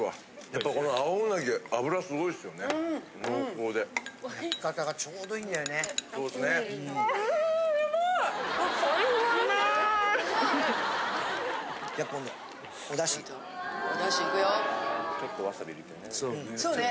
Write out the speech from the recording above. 焼き方がちょうどいいんだよね。